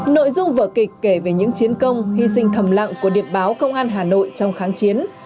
nội dung vở kịch kể về những chiến công hy sinh thầm lặng của điệp báo công an hà nội trong kháng chiến